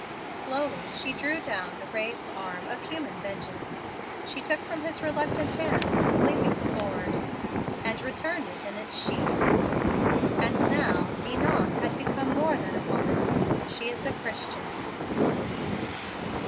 "Slowly she drew down the raised arm of human vengeance. She took from his reluctant hand the gleaming sword, and returned it in its sheath. "And now Ninon has become more than a woman, she is a Christian."